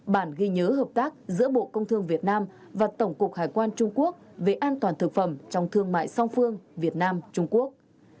bản ghi nhớ hợp tác giữa bộ công thương việt nam và tổng cục hải quan trung quốc về an toàn thực phẩm trong thương mại song phương việt nam trung quốc